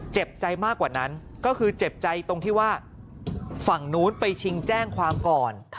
เจ็บใจมากกว่านั้นก็คือเจ็บใจตรงที่ว่าฝั่งนู้นไปชิงแจ้งความก่อน